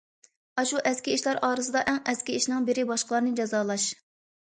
ئاشۇ ئەسكى ئىشلار ئارىسىدا ئەڭ ئەسكى ئىشنىڭ بىرى باشقىلارنى جازالاش.